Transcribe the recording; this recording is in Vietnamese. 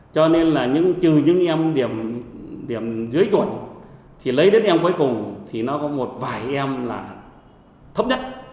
cho nên là trừ những em điểm dưới tuần thì lấy đến em cuối cùng thì nó có một vài em là thấp nhất